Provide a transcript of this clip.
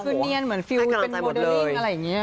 คือเนียนเหมือนฟิลเป็นโมเดลลิ่งอะไรอย่างนี้